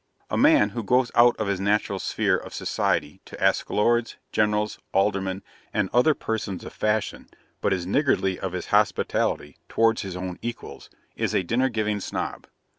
A man who goes out of his natural sphere of society to ask Lords, Generals, Aldermen, and other persons of fashion, but is niggardly of his hospitality towards his own equals, is a Dinner giving Snob.